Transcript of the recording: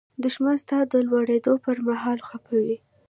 دښمن ستا د لوړېدو پر مهال خپه وي